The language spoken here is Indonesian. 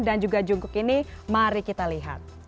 dan juga jungkook ini mari kita lihat